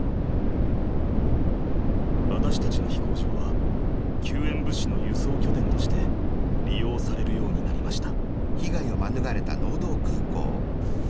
私たちの飛行場は救援物資の輸送拠点として利用されるようになりました。